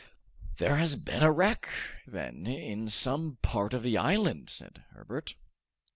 "There has been a wreck, then, in some part of the island," said Herbert.